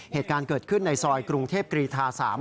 เหตุการณ์เกิดขึ้นในซอยกรุงเทพกรีธา๓